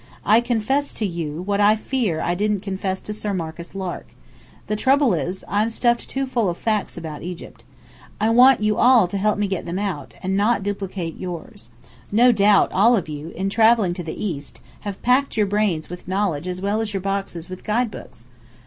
I confess to you what I fear I didn't confess to Sir Marcus Lark. The trouble is, I'm stuffed too full of facts about Egypt. I want you to help me get them out, and not duplicate yours. No doubt all of you, in travelling to the East, have packed your brains with knowledge as well as your boxes with guide books.